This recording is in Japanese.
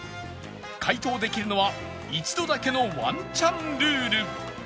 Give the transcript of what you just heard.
解答できるのは一度だけのワンチャンルール